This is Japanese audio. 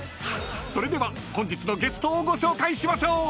［それでは本日のゲストをご紹介しましょう］